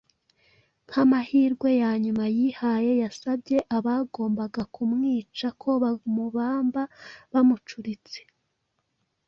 Nk’amahirwe ya nyuma yihaye, yasabye abagombaga kumwica ko bamubamba bamucuritse.